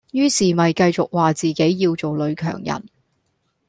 於是咪繼續話自己要做女強人